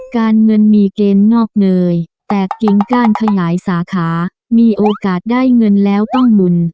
การเงินมีเกณฑ์งอกเงยแตกเกงก้านขยายสาขามีโอกาสได้เงินแล้วต้องบุญ